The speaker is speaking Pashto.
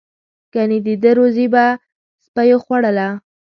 گني د ده روزي به سپیو خوړله.